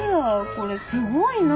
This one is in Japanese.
これすごいな。